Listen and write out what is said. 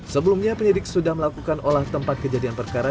sebelumnya penyidik sudah melakukan olah tempat kejadian perkara